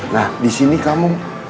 nah disini kamu